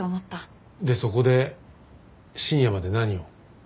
でそこで深夜まで何を？